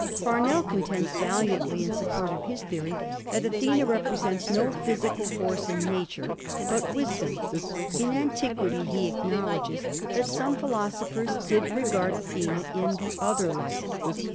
Farnell contends valiantly in support of his theory that Athena represents no physical force in nature, but wisdom. In antiquity he acknowledges that some philosophers did regard Athena in the other light.